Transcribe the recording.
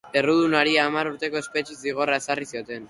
Errudunari hamar urteko espetxe-zigorra ezarri zioten.